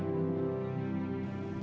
saudara sering diajak ikut ke magelang